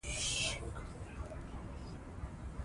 که احسان وي نو پښیماني نه وي.